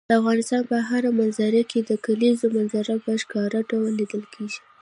د افغانستان په هره منظره کې د کلیزو منظره په ښکاره ډول لیدل کېږي.